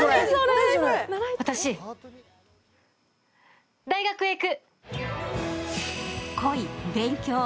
私、大学へ行く！